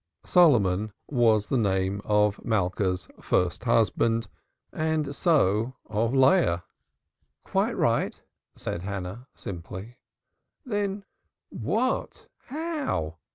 Solomon was the name of Malka's first husband, and so of Leah. "Quite right," said Hannah simply. "Then what how?"